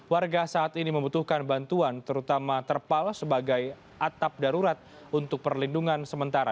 warga saat ini membutuhkan bantuan terutama terpal sebagai atap darurat untuk perlindungan sementara